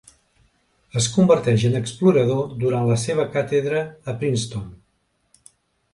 Es converteix en explorador durant la seva càtedra a Princeton.